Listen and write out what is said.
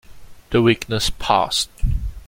The weakness passed.